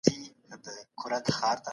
د تاریخي کرکټرونو په اړه باید تحقیق وسي.